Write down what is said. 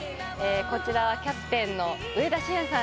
こちらはキャプテンの上田晋也さん